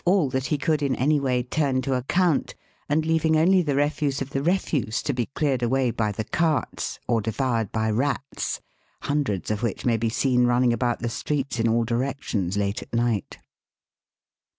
all that he could in any way turn to account, and leaving only the refuse of the refuse to be cleared away by the carts, or devoured by rats, hundreds of which may be seen running about the streets in all directions late at night.